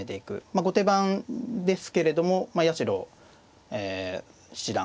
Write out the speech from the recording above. まあ後手番ですけれども八代七段